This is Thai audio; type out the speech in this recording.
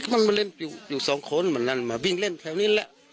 มันมาเล่นอยู่สองคนมันลั่นมาวิ่งเล่นแถวนี้แหละ